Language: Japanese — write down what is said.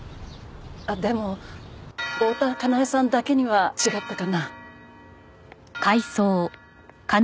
あっでも大多香苗さんだけには違ったかな。